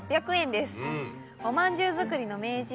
おまんじゅう作りの名人